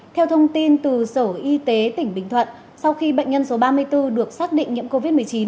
theo thông tin từ sở y tế tỉnh bình thuận sau khi bệnh nhân số ba mươi bốn được xác định nhiễm covid một mươi chín